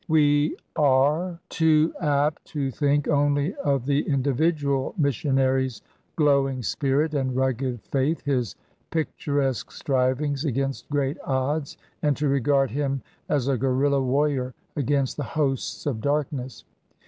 We are 118 CRUSADERS OF NEW FRANCE too apttx) think only of the individual mission ary's glowing spirit and rugged faith, his pictur esque strivings against great odds, and to regard him as a guerilla warrior against the hosts of darkness.